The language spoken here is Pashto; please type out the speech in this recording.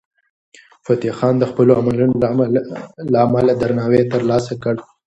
فتح خان د خپلو عملونو له امله درناوی ترلاسه کړ.